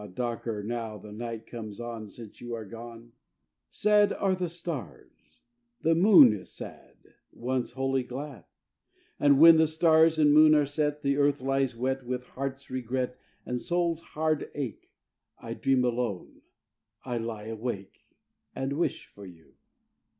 darker now the night comes on Since you are gone; Sad are the stars, the moon is sad, Once wholly glad; And when the stars and moon are set, And earth lies wet, With heart's regret and soul's hard ache, I dream alone, I lie awake, And wish for you.